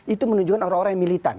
itu menunjukkan orang orang yang militan